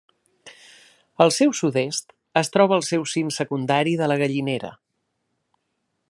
Al seu sud-est es troba el seu cim secundari de la Gallinera.